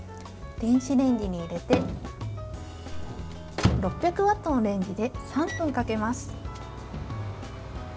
電子レンジに入れて６００ワットのレンジで３分かけます。